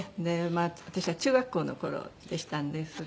私は中学校の頃でしたんですが。